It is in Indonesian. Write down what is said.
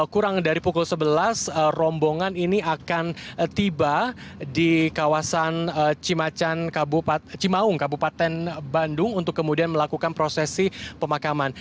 kurang dari pukul sebelas rombongan ini akan tiba di kawasan cimaung kabupaten bandung untuk kemudian melakukan prosesi pemakaman